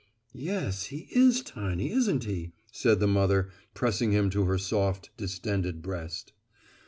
"Yes, he is tiny, isn't he?" said the mother pressing him to her soft, distended breast.